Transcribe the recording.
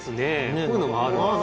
こういうのもあるんですね。